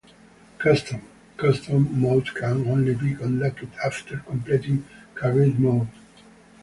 Custom- Custom mode can only be unlocked after completing Career mode.